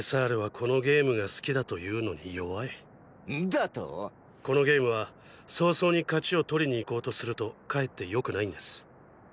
このゲームは早々に勝ちを取りに行こうとするとかえってよくないんです。